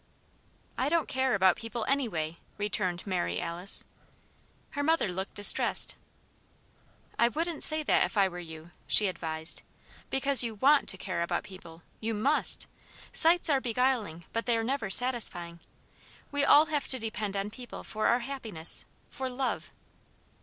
"I don't care about people, anyway," returned Mary Alice. Her mother looked distressed. "I wouldn't say that, if I were you," she advised. "Because you want to care about people you must! Sights are beguiling, but they're never satisfying. We all have to depend on people for our happiness for love."